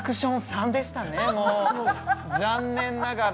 もう残念ながら。